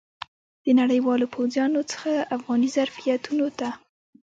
د نړیوالو پوځیانو څخه افغاني ظرفیتونو ته.